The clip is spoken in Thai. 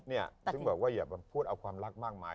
ถึงบอกว่าอย่าพูดเอาความรักมากมาย